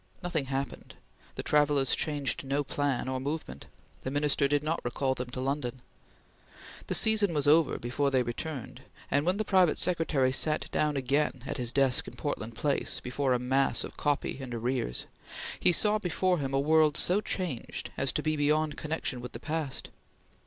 Nothing happened. The travellers changed no plan or movement. The Minister did not recall them to London. The season was over before they returned; and when the private secretary sat down again at his desk in Portland Place before a mass of copy in arrears, he saw before him a world so changed as to be beyond connection with the past.